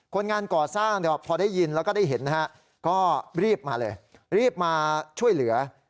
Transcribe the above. คนงานก่อสร้างพอได้ยินแล้วก็ได้เห็นนะฮะก็รีบมาเลยรีบมาช่วยเหลือ